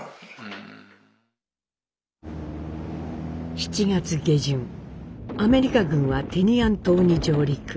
７月下旬アメリカ軍はテニアン島に上陸。